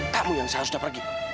kamu yang seharusnya pergi